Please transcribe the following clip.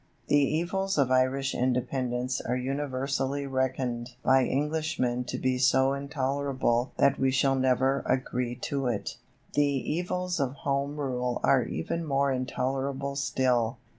The evils of Irish independence are universally reckoned by Englishmen to be so intolerable that we shall never agree to it. The evils of Home Rule are even more intolerable still.